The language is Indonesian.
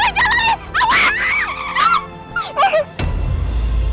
reina jangan lari awas